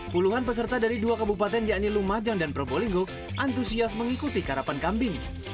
puluhan peserta dari dua kabupaten yakni lumajang dan probolinggo antusias mengikuti karapan kambing